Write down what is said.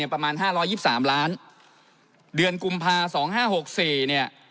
ประมาณ๕๒๓ล้านครับเดือนกุมพาสองห้าหกสี่